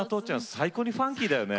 最高にファンキーだよね。